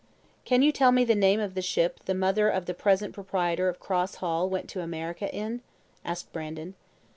"Can you tell me the name of the ship the mother of the present proprietor of Cross Hall went to America in?" asked Brandon.